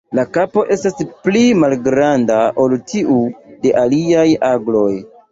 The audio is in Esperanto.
La kapo estas pli malgranda ol tiu de aliaj agloj.